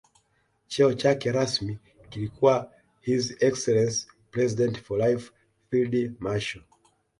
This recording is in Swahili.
Cheo chake rasmi kilikuwa His Excellency President for Life Field Marshal